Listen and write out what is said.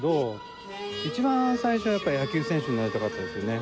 一番最初はやっぱ野球選手になりたかったですよね。